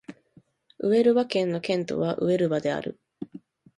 ウエルバ県の県都はウエルバである